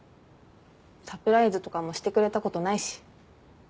サプライズとかもしてくれたことないし。